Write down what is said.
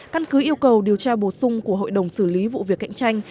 căn cứ yêu cầu điều tra bổ sung của hội đồng xử lý vụ việc cạnh tranh